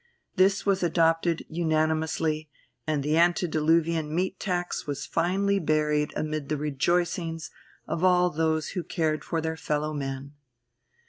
This was adopted unanimously, and the antediluvian meat tax was finally buried amid the rejoicings of all those who cared for their fellow men.